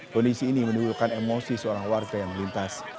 kondisi ini menimbulkan emosi seorang warga yang melintas